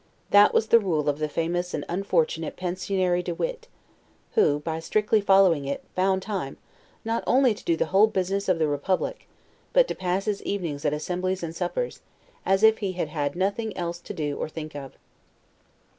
That was the rule of the famous and unfortunate Pensionary De Witt; who, by strictly following it, found time, not only to do the whole business of the republic, but to pass his evenings at assemblies and suppers, as if he had had nothing else to do or think of.